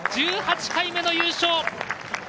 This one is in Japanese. １８回目の優勝！